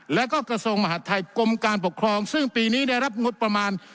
แล้วก็กระทรวงมหาดไทยกรมการปกครองซึ่งปีนี้ได้รับงบประมาณ